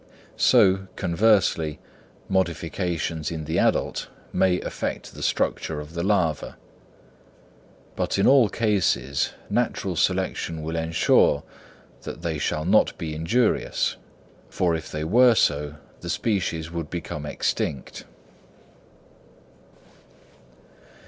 So, conversely, modifications in the adult may affect the structure of the larva; but in all cases natural selection will ensure that they shall not be injurious: for if they were so, the species would become extinct.